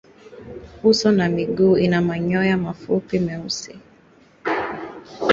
Uso na miguu ina manyoya mafupi meusi.